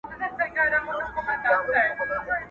پر همدغه ځای دي پاته دښمني وي!!